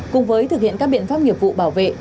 cùng với thực hiện các biện pháp nghiệp vụ bảo vệ